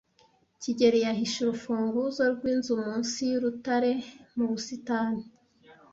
kigeli yahishe urufunguzo rwinzu munsi yurutare mu busitani.